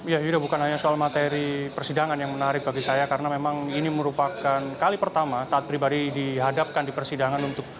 ya yuda bukan hanya soal materi persidangan yang menarik bagi saya karena memang ini merupakan kali pertama taat pribadi dihadapkan di persidangan